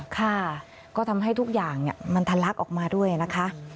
ค่ะก็ทำให้ทุกอย่างมันทะลักออกมาด้วยนะคะ